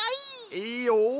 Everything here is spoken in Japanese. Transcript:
いいよ。